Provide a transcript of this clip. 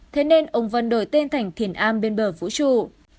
thế nên ông vân đổi tên thành thiền a bên bờ vũ trụ